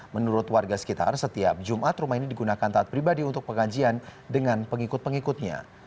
menurut warga sekitar setiap jumat rumah ini digunakan taat pribadi untuk pengajian dengan pengikut pengikutnya